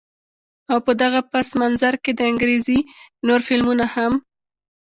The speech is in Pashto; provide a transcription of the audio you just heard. او په دغه پس منظر کښې د انګرېزي نور فلمونه هم